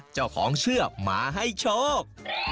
เจ้าของเชื่อมาให้โชค